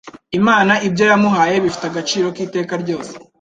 Imana ibyo yamuhaye bifite agaciro k’iteka ryose.